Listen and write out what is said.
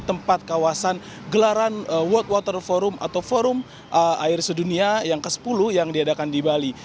tempat kawasan gelaran world water forum atau forum air sedunia yang ke sepuluh yang diadakan di bali